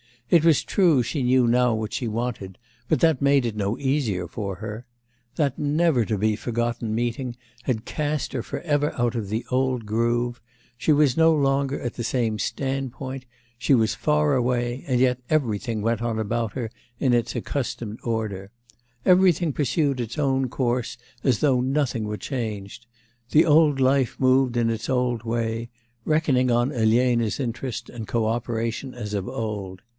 It was true she knew now what she wanted, but that made it no easier for her. That never to be forgotten meeting had cast her for ever out of the old groove; she was no longer at the same standpoint, she was far away, and yet everything went on about her in its accustomed order, everything pursued its own course as though nothing were changed; the old life moved on its old way, reckoning on Elena's interest and co operation as of old.